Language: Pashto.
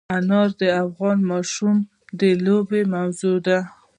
انار د افغان ماشومانو د لوبو موضوع ده.